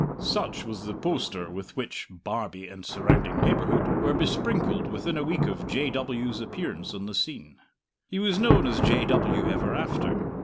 Such was the poster with which "Barbie and surrounding neighbourhood" were besprinkled within a week of "J. W.'s" appearance on the scene. He was known as "J. W." ever after.